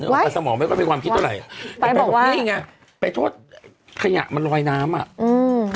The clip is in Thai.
ไว้สมองไม่ค่อยมีความคิดเท่าไหร่ไปบอกว่านี่ไงขยะมันลอยน้ำอ่ะอืม